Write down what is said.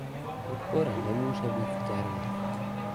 Podpora nemůže být zdarma.